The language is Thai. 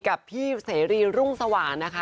กับพี่เสรีรุ่งสว่างนะคะ